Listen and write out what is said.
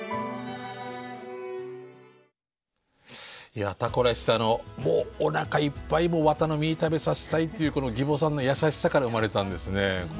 いやタコライスってもうおなかいっぱい食べさせたいっていうこの儀保さんの優しさから生まれたんですね。